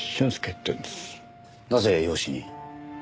なぜ養子に？